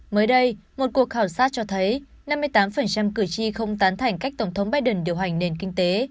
mới đây một cuộc khảo sát cho thấy năm mươi tám cử tri không tán thành cách tổng thống biden điều hành nền kinh tế